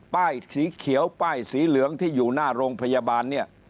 ป้ายสีเขียวป้ายสีเหลืองที่อยู่หน้าโรงพยาบาลเนี่ย